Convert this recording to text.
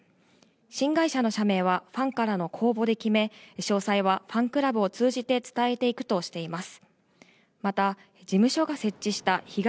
新会社の社名はファンからの公募で決め、詳細はファンクラブを通じて伝えていくとしています。